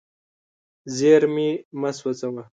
زیرمې مه سوځوه.